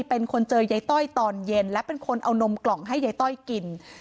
เป็นคนเจอยายต้อยตอนเย็นและเป็นคนเอานมกล่องให้ยายต้อยกิน